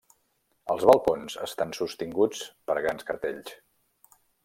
Els balcons estan sostinguts per grans cartells.